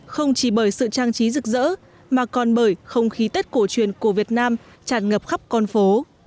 không chỉ bởi sự trang trí rực rỡ mà còn bởi không khí tết cổ truyền của việt nam tràn ngập khắp con phố